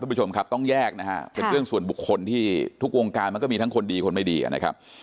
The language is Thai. ผู้ชมครับต้องแยกนะฮะเป็นเรื่องส่วนบุคคลที่ทุกวงการมันก็มีทั้งคนดีคนไม่ดีนะครับ